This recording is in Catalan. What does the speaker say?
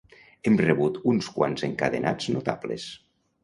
Hem rebut uns quants encadenats notables.